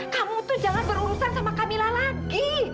kamu tuh jangan berurusan sama kamila lagi